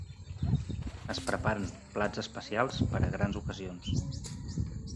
Es preparen plats especials per a grans ocasions.